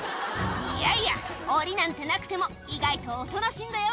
「いやいや檻なんてなくても意外とおとなしいんだよ